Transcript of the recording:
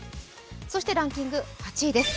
そしてランキング８位です。